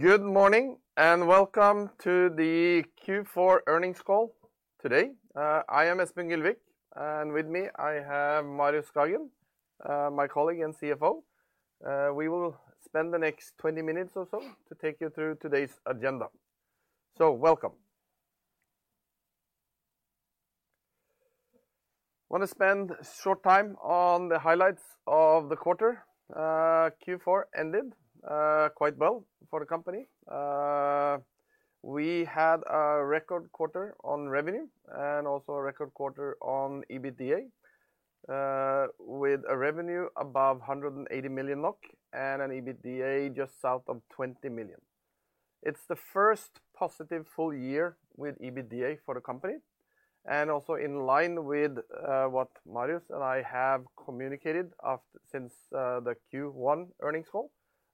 Good morning, and welcome to the Q4 earnings call today. I am Espen Gylvik, and with me, I have Marius Skagen, my colleague and CFO. We will spend the next 20 minutes or so to take you through today's agenda. Welcome. Want to spend short time on the highlights of the quarter. Q4 ended quite well for the company. We had a record quarter on revenue and also a record quarter on EBITDA, with a revenue above 180 million and an EBITDA just south of 20 million. It's the first positive full-year with EBITDA for the company and also in line with what Marius and I have communicated since the Q1 earnings call,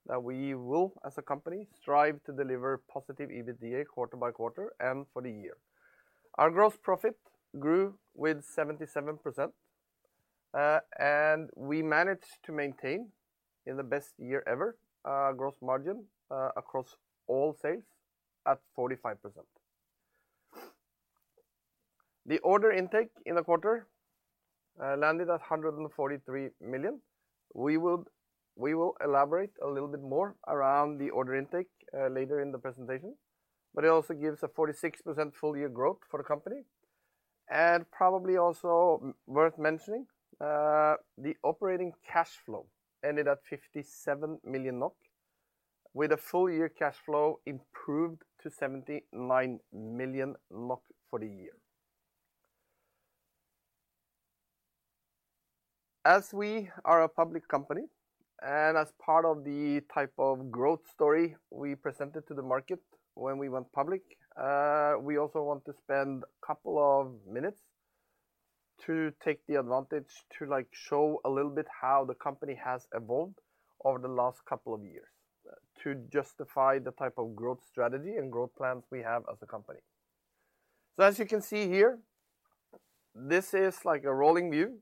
that we will, as a company, strive to deliver positive EBITDA quarter by quarter and for the year. Our gross profit grew with 77%, and we managed to maintain in the best year ever, gross margin, across all sales at 45%. The order intake in the quarter landed at 143 million. We will elaborate a little bit more around the order intake later in the presentation, but it also gives a 46% full-year growth for the company. Probably also worth mentioning, the operating cash flow ended at 57 million, with a full-year cash flow improved to 79 million for the year. As we are a public company, as part of the type of growth story we presented to the market when we went public, we also want to spend a couple of minutes to take the advantage to, like, show a little bit how the company has evolved over the last couple of years to justify the type of growth strategy and growth plans we have as a company. As you can see here, this is like a rolling view,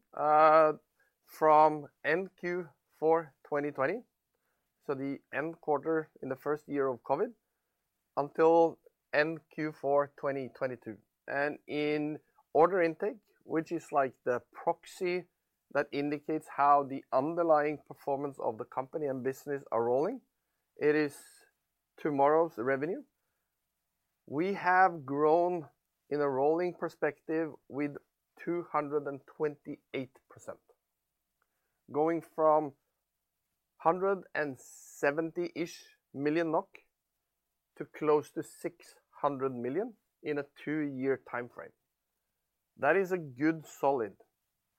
from end Q4 2020, so the end quarter in the first year of COVID, until end Q4 2022. In order intake, which is like the proxy that indicates how the underlying performance of the company and business are rolling, it is tomorrow's revenue. We have grown in a rolling perspective with 228%, going from 170 million NOK to close to 600 million in a two year timeframe. That is a good solid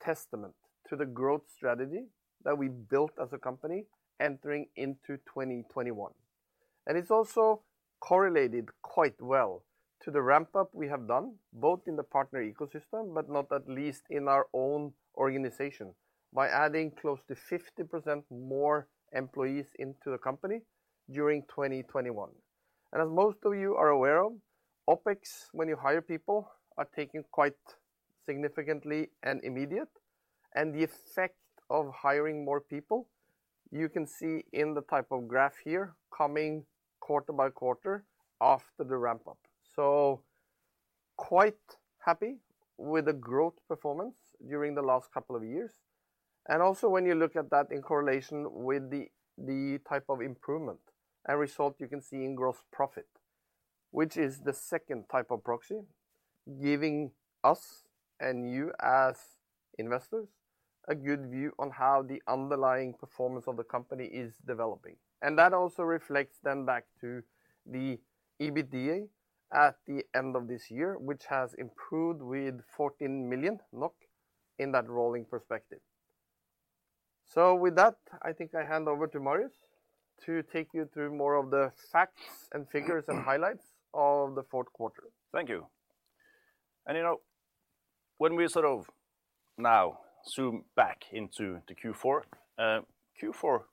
testament to the growth strategy that we built as a company entering into 2021. It's also correlated quite well to the ramp-up we have done, both in the partner ecosystem, but not at least in our own organization, by adding close to 50% more employees into the company during 2021. As most of you are aware of, OpEx, when you hire people, are taken quite significantly and immediate. The effect of hiring more people, you can see in the type of graph here coming quarter by quarter after the ramp-up. Quite happy with the growth performance during the last couple of years. Also when you look at that in correlation with the type of improvement and result you can see in gross profit, which is the second type of proxy giving us and you as investors a good view on how the underlying performance of the company is developing. That also reflects then back to the EBITDA at the end of this year, which has improved with 14 million NOK in that rolling perspective. With that, I think I hand over to Marius to take you through more of the facts and figures and highlights of the fourth quarter. Thank you. You know, when we sort of now zoom back into the Q4,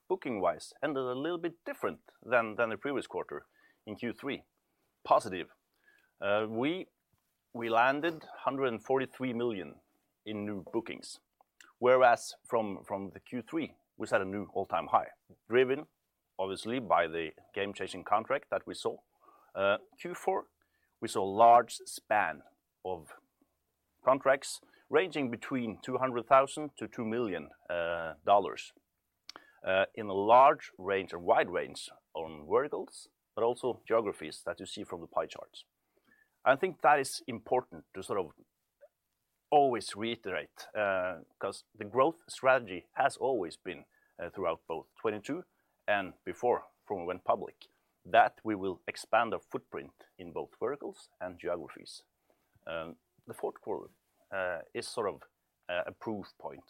booking-wise, ended a little bit different than the previous quarter in Q3. Positive. We landed $143 million in new bookings, whereas from the Q3, we set a new all-time high, driven obviously by the game-changing contract that we saw. Q4, we saw a large span of contracts ranging between $200,000-$2 million, in a large range, a wide range on verticals, but also geographies that you see from the pie charts. I think that is important to sort of always reiterate, because the growth strategy has always been, throughout both 2022 and before, from when we went public, that we will expand our footprint in both verticals and geographies. The fourth quarter is sort of a proof point.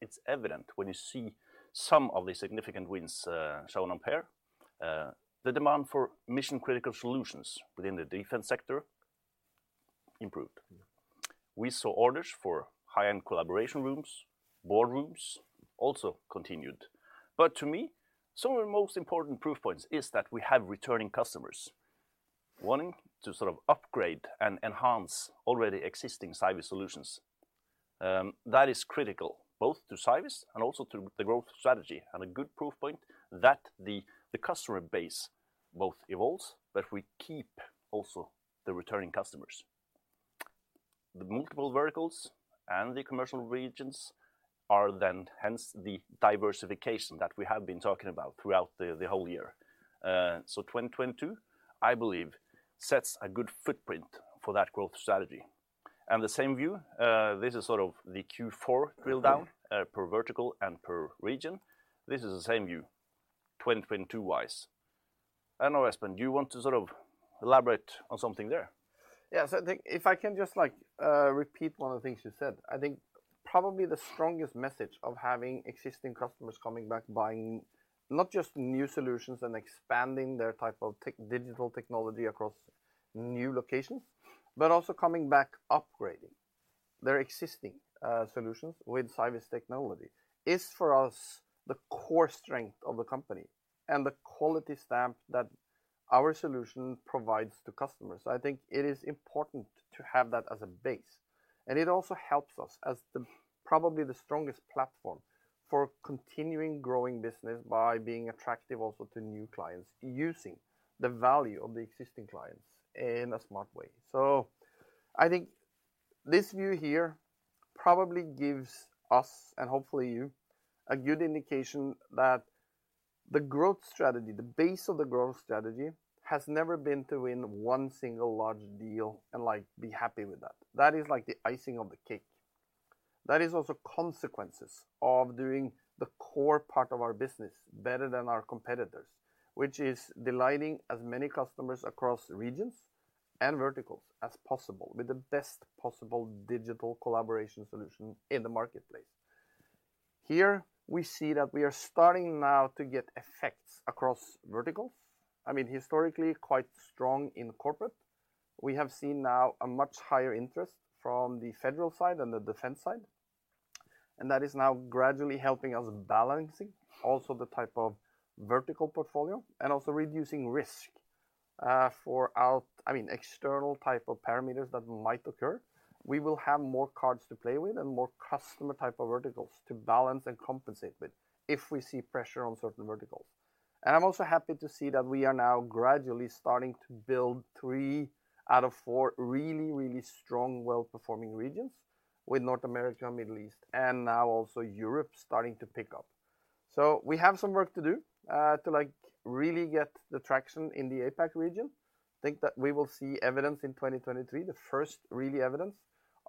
It's evident when you see some of the significant wins shown on pair. The demand for mission-critical solutions within the defense sector improved. We saw orders for high-end collaboration rooms, boardrooms also continued. To me, some of the most important proof points is that we have returning customers, wanting to sort of upgrade and enhance already existing Cyviz solutions. That is critical both to Cyviz and also to the growth strategy, and a good proof point that the customer base both evolves, but we keep also the returning customers. The multiple verticals and the commercial regions are then hence the diversification that we have been talking about throughout the whole year. 2022, I believe, sets a good footprint for that growth strategy. The same view, this is sort of the Q4 drill down per vertical and per region. This is the same view 2022 wise. I don't know, Espen, do you want to sort of elaborate on something there? I think if I can just like repeat one of the things you said, I think probably the strongest message of having existing customers coming back, buying not just new solutions and expanding their type of tech-digital technology across new locations, but also coming back upgrading their existing solutions with Cyviz technology, is for us the core strength of the company and the quality stamp that our solution provides to customers. I think it is important to have that as a base, and it also helps us as the probably the strongest platform for continuing growing business by being attractive also to new clients, using the value of the existing clients in a smart way. I think this view here probably gives us, and hopefully you, a good indication that the growth strategy, the base of the growth strategy, has never been to win one single large deal and, like, be happy with that. That is like the icing on the cake. That is also consequences of doing the core part of our business better than our competitors, which is delighting as many customers across regions and verticals as possible with the best possible digital collaboration solution in the marketplace. We see that we are starting now to get effects across verticals. I mean, historically quite strong in corporate. We have seen now a much higher interest from the federal side and the defense side, and that is now gradually helping us balancing also the type of vertical portfolio and also reducing risk, I mean, external type of parameters that might occur. We will have more cards to play with and more customer type of verticals to balance and compensate with if we see pressure on certain verticals. I'm also happy to see that we are now gradually starting to build three out of four really, really strong, well-performing regions with North America, Middle East, and now also Europe starting to pick up. We have some work to do, to like really get the traction in the APAC region. Think that we will see evidence in 2023, the first really evidence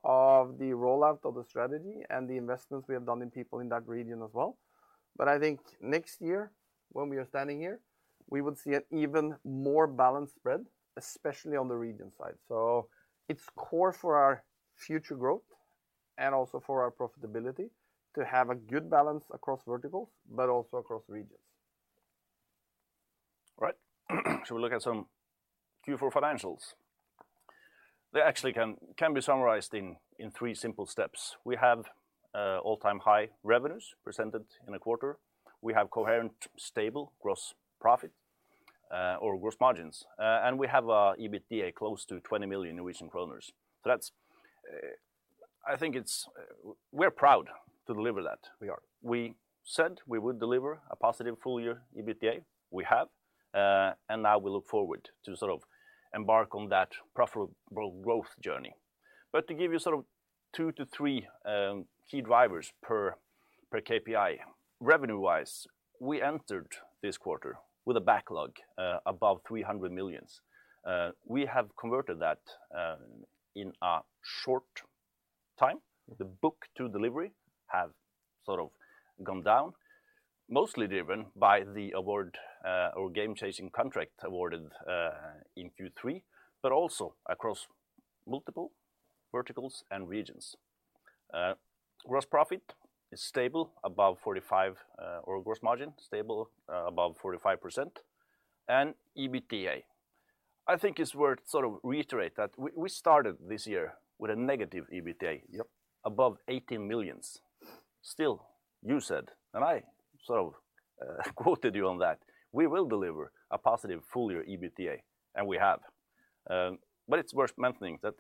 of the rollout of the strategy and the investments we have done in people in that region as well. I think next year when we are standing here, we will see an even more balanced spread, especially on the region side. It's core for our future growth and also for our profitability to have a good balance across verticals but also across regions. All right. Shall we look at some Q4 financials? They actually can be summarized in three simple steps. We have all-time high revenues presented in a quarter. We have coherent, stable gross profit or gross margins. We have a EBITDA close to 20 million Norwegian kroner. That's, I think we're proud to deliver that. We are. We said we would deliver a positive full-year EBITDA. We have, and now we look forward to sort of embark on that profitable growth journey. To give you sort of two to three key drivers per KPI, revenue-wise, we entered this quarter with a backlog above 300 million. We have converted that in a short time. The book to delivery have sort of gone down, mostly driven by the award or game-changing contract awarded in Q3, but also across multiple verticals and regions. Gross margin stable above 45%. EBITDA, I think it's worth sort of reiterate that we started this year with a negative EBITDA. Yep above 18 million. Still, you said, and I sort of quoted you on that, we will deliver a positive full-year EBITDA, and we have. It's worth mentioning that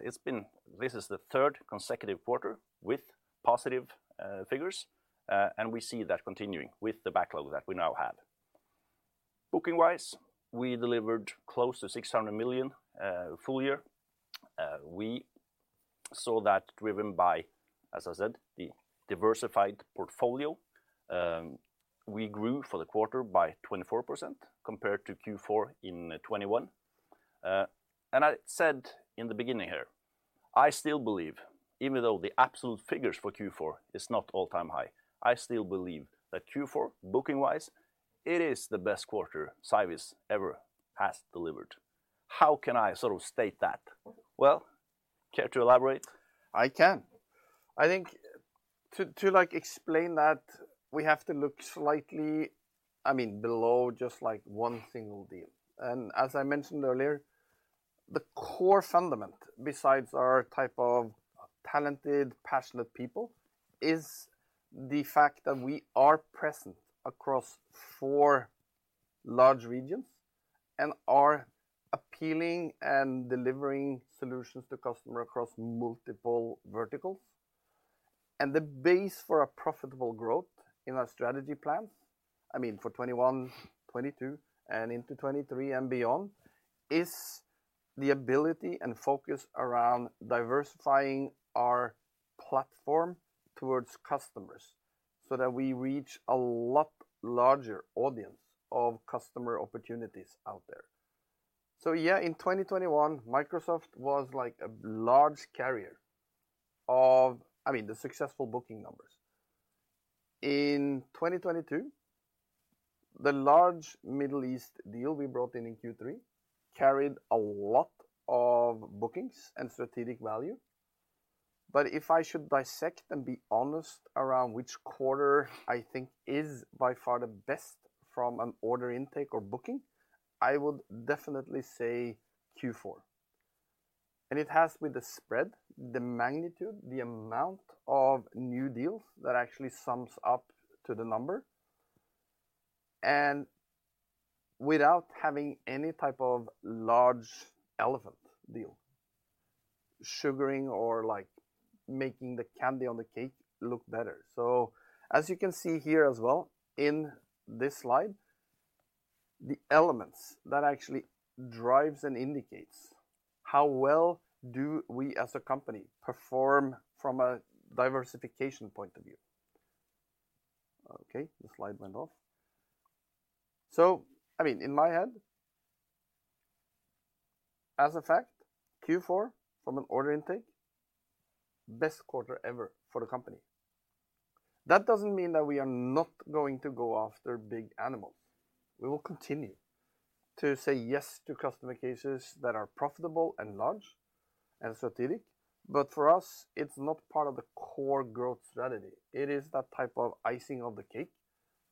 this is the third consecutive quarter with positive figures, and we see that continuing with the backlog that we now have. Booking-wise, we delivered close to 600 million full-year. We saw that driven by, as I said, the diversified portfolio. We grew for the quarter by 24% compared to Q4 in 2021. I said in the beginning here, I still believe even though the absolute figures for Q4 is not all-time high, I still believe that Q4, booking-wise, it is the best quarter Cyviz ever has delivered. How can I sort of state that? Well, care to elaborate? I can. I think to, like, explain that, we have to look slightly, I mean, below just like one single deal. As I mentioned earlier, the core fundament besides our type of talented, passionate people is the fact that we are present across four large regions and are appealing and delivering solutions to customers across multiple verticals. The base for a profitable growth in our strategy plans, I mean, for 2021, 2022, and into 2023 and beyond, is the ability and focus around diversifying our platform towards customers so that we reach a lot larger audience of customer opportunities out there. Yeah, in 2021, Microsoft was like a large carrier of, I mean, the successful booking numbers. In 2022, the large Middle East deal we brought in in Q3 carried a lot of bookings and strategic value. If I should dissect and be honest around which quarter I think is by far the best from an order intake or booking, I would definitely say Q4. It has with the spread, the magnitude, the amount of new deals that actually sums up to the number and without having any type of large elephant deal sugaring or like making the candy on the cake look better. As you can see here as well in this slide, the elements that actually drives and indicates how well do we as a company perform from a diversification point of view. Okay, the slide went off. I mean, in my head, as a fact, Q4 from an order intake, best quarter ever for the company. That doesn't mean that we are not going to go after big animals. We will continue to say yes to customer cases that are profitable and large and strategic. For us, it's not part of the core growth strategy. It is that type of icing of the cake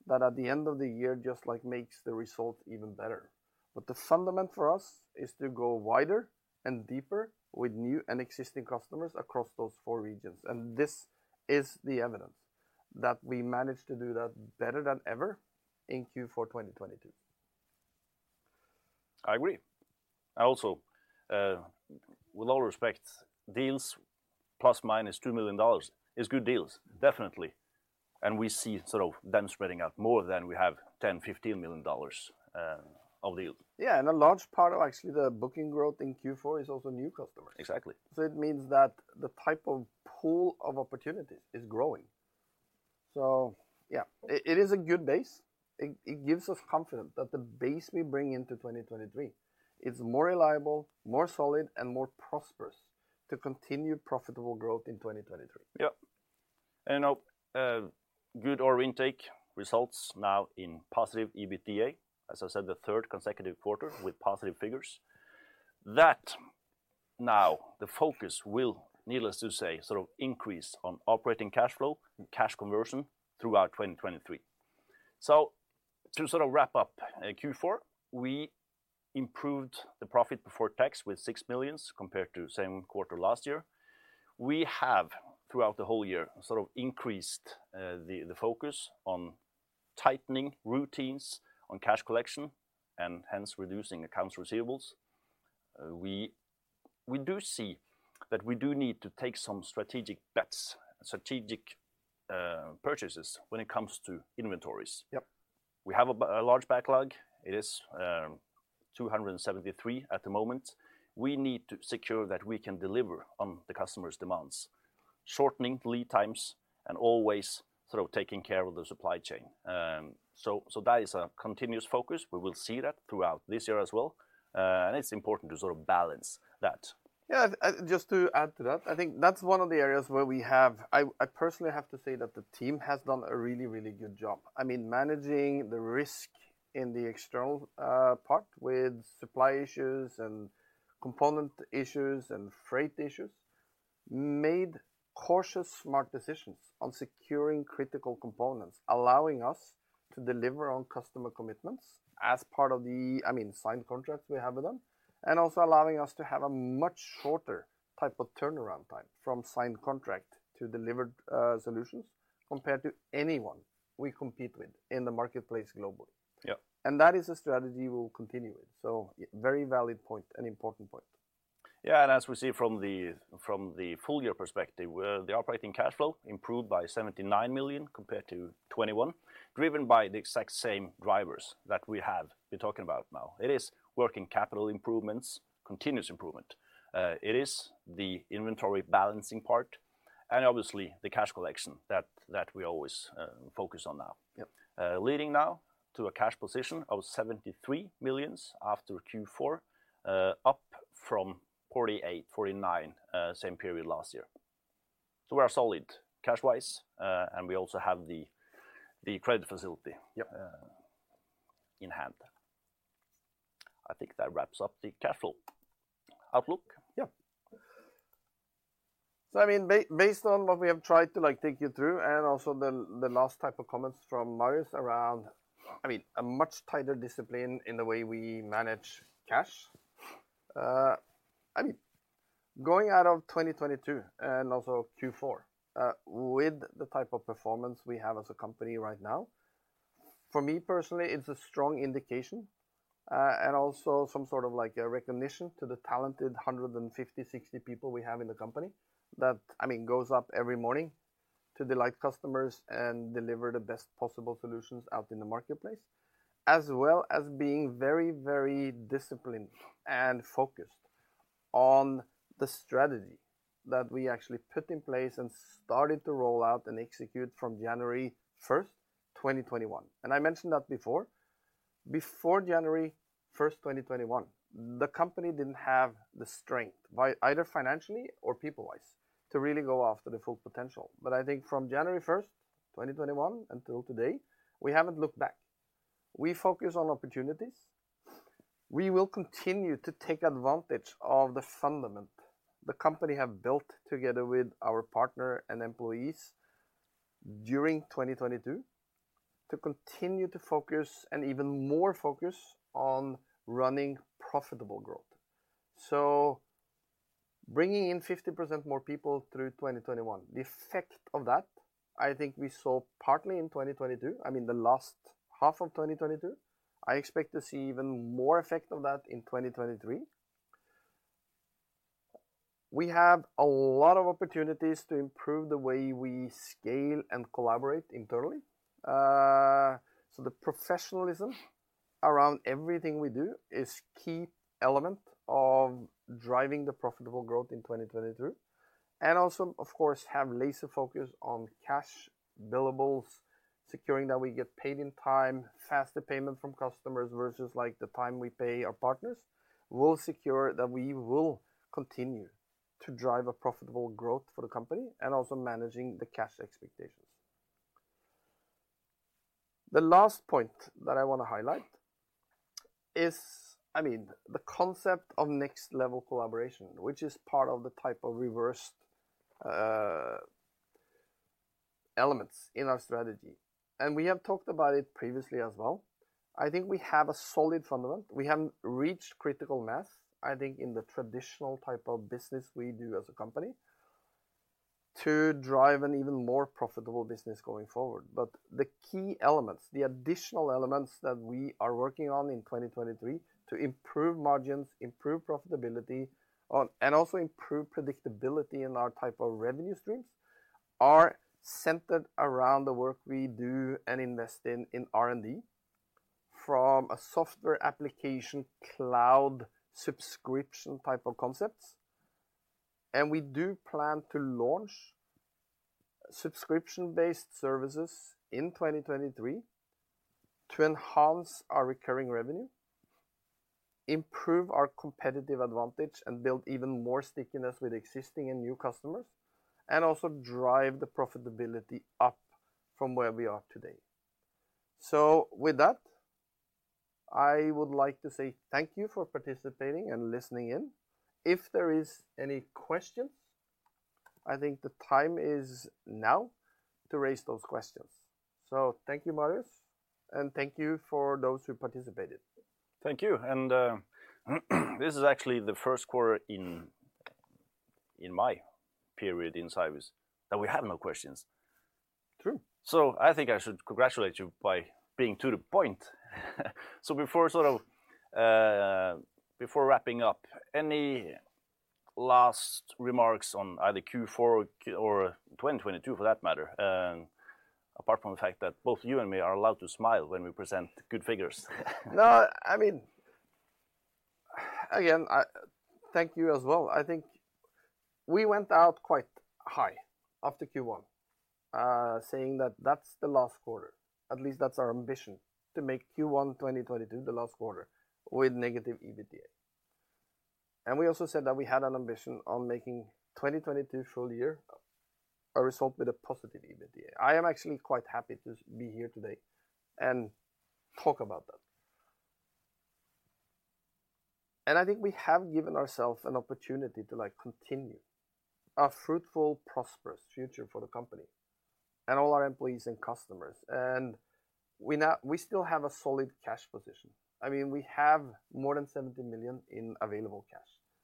that at the end of the year just like makes the result even better. The fundament for us is to go wider and deeper with new and existing customers across those four regions, and this is the evidence that we managed to do that better than ever in Q4 2022. I agree. I also, with all respect, deals ±$2 million is good deals, definitely. We see sort of them spreading out more than we have $10 million-$15 million of deals. A large part of actually the booking growth in Q4 is also new customers. Exactly. It means that the type of pool of opportunities is growing. Yeah, it is a good base. It gives us confidence that the base we bring into 2023 is more reliable, more solid, and more prosperous to continue profitable growth in 2023. Yep. Good order intake results now in positive EBITDA, as I said, the third consecutive quarter with positive figures. Now the focus will, needless to say, sort of increase on operating cash flow and cash conversion throughout 2023. To sort of wrap up Q4, we improved the profit before tax with 6 million compared to same quarter last year. We have, throughout the whole year, sort of increased the focus on tightening routines on cash collection and hence reducing accounts receivables. We do see that we do need to take some strategic bets, strategic purchases when it comes to inventories. Yep. We have a large backlog. It is 273 at the moment. We need to secure that we can deliver on the customers' demands, shortening lead times and always sort of taking care of the supply chain. That is a continuous focus. We will see that throughout this year as well, and it's important to sort of balance that. Just to add to that, I think that's one of the areas where I personally have to say that the team has done a really, really good job. I mean, managing the risk in the external part with supply issues and component issues and freight issues, made cautious, smart decisions on securing critical components, allowing us to deliver on customer commitments as part of the, I mean, signed contracts we have with them, and also allowing us to have a much shorter type of turnaround time from signed contract to delivered solutions compared to anyone we compete with in the marketplace globally. Yeah. That is a strategy we'll continue with. Very valid point, an important point. Yeah, as we see from the, from the full-year perspective, where the operating cash flow improved by 79 million compared to 2021, driven by the exact same drivers that we have been talking about now. It is working capital improvements, continuous improvement. It is the inventory balancing part and obviously the cash collection that we always focus on now. Yep. Leading now to a cash position of 73 million after Q4, up from 48, 49 same period last year. We are solid cash-wise, and we also have the credit facility- Yep in hand. I think that wraps up the cash flow outlook. Yeah. I mean, based on what we have tried to like take you through and also the last type of comments from Marius, I mean, a much tighter discipline in the way we manage cash. I mean, going out of 2022 and also Q4, with the type of performance we have as a company right now, for me personally, it's a strong indication, and also some sort of like a recognition to the talented 150, 60 people we have in the company that, I mean, goes up every morning to delight customers and deliver the best possible solutions out in the marketplace. As well as being very, very disciplined and focused on the strategy that we actually put in place and started to roll out and execute from January 1st, 2021. I mentioned that before. Before January 1, 2021, the company didn't have the strength by either financially or people-wise to really go after the full potential. I think from January 1st, 2021 until today, we haven't looked back. We focus on opportunities. We will continue to take advantage of the fundament the company have built together with our partner and employees during 2022 to continue to focus and even more focus on running profitable growth. Bringing in 50% more people through 2021, the effect of that, I think we saw partly in 2022, I mean, the last half of 2022. I expect to see even more effect of that in 2023. We have a lot of opportunities to improve the way we scale and collaborate internally. The professionalism around everything we do is key element of driving the profitable growth in 2022. Also, of course, have laser focus on cash billables, securing that we get paid in time, faster payment from customers versus, like, the time we pay our partners will secure that we will continue to drive a profitable growth for the company and also managing the cash expectations. The last point that I wanna highlight is, I mean, the concept of next level collaboration, which is part of the type of reversed elements in our strategy. We have talked about it previously as well. I think we have a solid fundament. We have reached critical mass, I think, in the traditional type of business we do as a company to drive an even more profitable business going forward. The key elements, the additional elements that we are working on in 2023 to improve margins, improve profitability, and also improve predictability in our type of revenue streams, are centered around the work we do and invest in R&D from a software application cloud subscription type of concepts. We do plan to launch subscription-based services in 2023 to enhance our recurring revenue, improve our competitive advantage, and build even more stickiness with existing and new customers, and also drive the profitability up from where we are today. With that, I would like to say thank you for participating and listening in. If there is any questions, I think the time is now to raise those questions. Thank you, Marius, and thank you for those who participated. Thank you. This is actually the first quarter in my period in Cyviz that we have no questions. True. I think I should congratulate you by being to the point. Before sort of, before wrapping up, any last remarks on either Q4 or 2022 for that matter, apart from the fact that both you and me are allowed to smile when we present good figures? No, I mean, again, thank you as well. I think we went out quite high after Q1, saying that that's the last quarter. At least that's our ambition, to make Q1 2022 the last quarter with negative EBITDA. We also said that we had an ambition on making 2022 full-year a result with a positive EBITDA. I am actually quite happy to be here today and talk about that. I think we have given ourselves an opportunity to, like, continue a fruitful, prosperous future for the company and all our employees and customers. We still have a solid cash position. I mean, we have more than 70 million in available cash,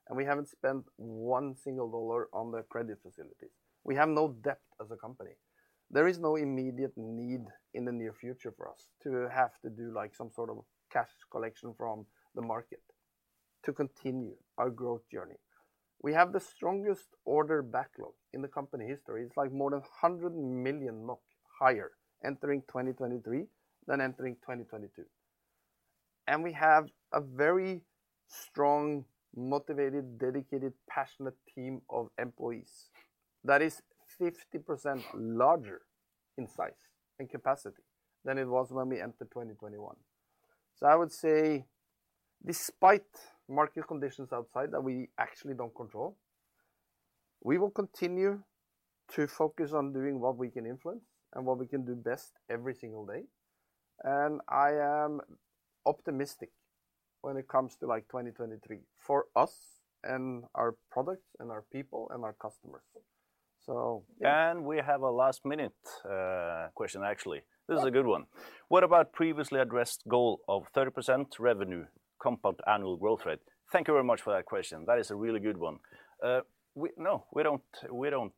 and we haven't spent one single dollar on the credit facilities. We have no debt as a company. There is no immediate need in the near future for us to have to do, like, some sort of cash collection from the market to continue our growth journey. We have the strongest order backlog in the company history. It's like more than 100 million higher entering 2023 than entering 2022. We have a very strong, motivated, dedicated, passionate team of employees that is 50% larger in size and capacity than it was when we entered 2021. I would say despite market conditions outside that we actually don't control, we will continue to focus on doing what we can influence and what we can do best every single day. I am optimistic when it comes to, like, 2023 for us and our products and our people and our customers. Yeah. We have a last-minute question, actually. Yeah. This is a good one. What about previously addressed goal of 30% revenue compound annual growth rate? Thank you very much for that question. That is a really good one. No, we don't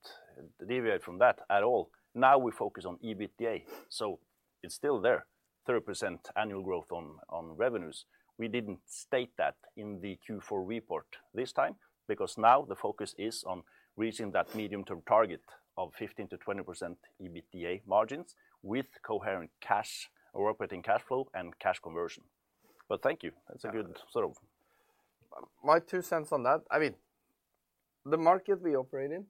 deviate from that at all. Now we focus on EBITDA, so it's still there, 30% annual growth on revenues. We didn't state that in the Q4 report this time because now the focus is on reaching that medium-term target of 15%-20% EBITDA margins with coherent operating cash flow and cash conversion. Thank you. That's a good sort of... My two cents on that, I mean, the market we operate in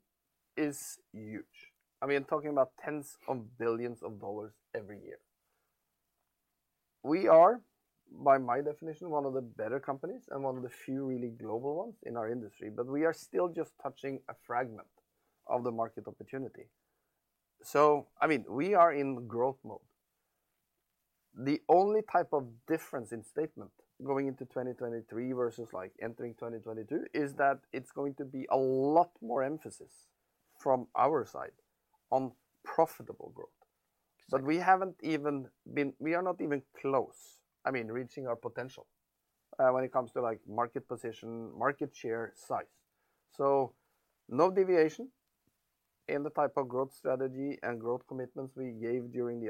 is huge. I mean, I'm talking about tens of billions of dollars every year. We are, by my definition, one of the better companies and one of the few really global ones in our industry, but we are still just touching a fragment of the market opportunity. I mean, we are in growth mode. The only type of difference in statement going into 2023 versus, like, entering 2022 is that it's going to be a lot more emphasis from our side on profitable growth. Yes. We are not even close, I mean, reaching our potential, when it comes to, like, market position, market share size. No deviation in the type of growth strategy and growth commitments we gave during the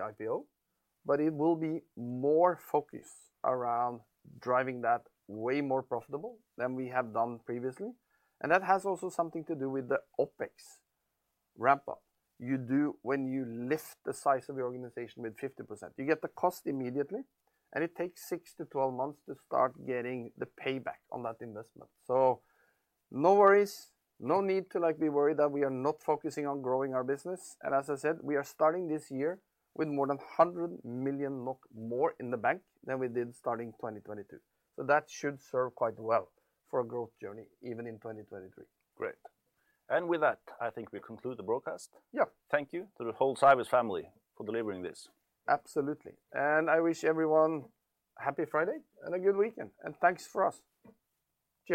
IPO, but it will be more focused around driving that way more profitable than we have done previously. That has also something to do with the OpEx ramp up you do when you lift the size of your organization with 50%. You get the cost immediately, and it takes 6 to 12 months to start getting the payback on that investment. No worries, no need to, like, be worried that we are not focusing on growing our business. As I said, we are starting this year with more than 100 million more in the bank than we did starting 2022. That should serve quite well for a growth journey even in 2023. Great. With that, I think we conclude the broadcast. Yeah. Thank you to the whole Cyviz family for delivering this. Absolutely. I wish everyone happy Friday and a good weekend. Thanks for us. Cheers.